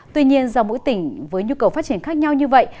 tuy nhiên do mỗi tỉnh với nhu cầu phát triển khác nhau như vậy